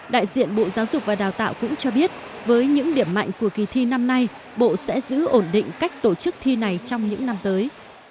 đại diện bộ giáo dục và đào tạo cũng cho biết với những điểm mạnh của kỳ thi năm nay bộ sẽ giữ ổn định cách tổ chức thi này trong những năm tới